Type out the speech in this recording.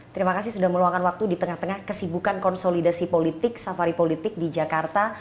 terima kasih sudah meluangkan waktu di tengah tengah kesibukan konsolidasi politik safari politik di jakarta